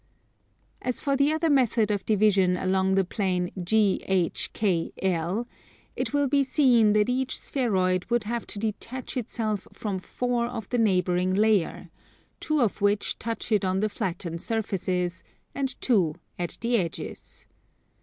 As for the other method of division along the plane GHKL, it will be seen that each spheroid would have to detach itself from four of the neighbouring layer, two of which touch it on the flattened surfaces, and two at the edges.